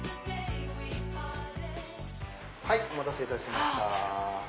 はいお待たせいたしました。